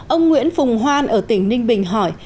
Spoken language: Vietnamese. ông nguyễn phùng hoan ở tỉnh ninh bình hỏi